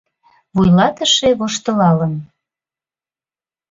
Вуйлатыше воштылалын: